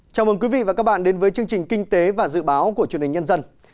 chào mừng quý vị và các bạn đến với chương trình kinh tế và dự báo của truyền hình nhân dân